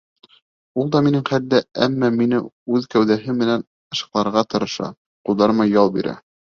Ул да минең хәлдә, әммә мине үҙ кәүҙәһе менән ышыҡларға тырыша, ҡулдарыма ял бирә.